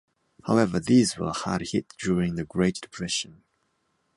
However, these were hard hit during the Great Depression.